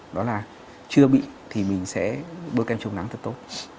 đó là chưa bị thì mình sẽ bôi kem chống nắng thật tốt